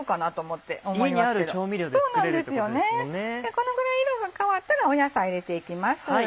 このぐらい色が変わったら野菜入れていきます。